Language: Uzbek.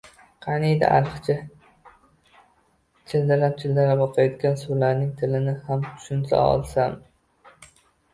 Qaniydi, ariqda childirab-childirab oqayotgan suvlarning tilini ham tushuna olsam